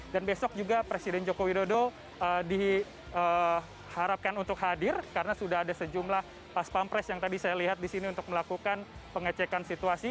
dan besok juga presiden joko widodo diharapkan untuk hadir karena sudah ada sejumlah pas pampres yang tadi saya lihat di sini untuk melakukan pengecekan situasi